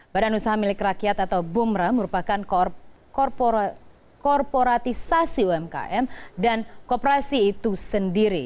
badan usaha milik rakyat atau bumra merupakan korporatisasi umkm dan kooperasi itu sendiri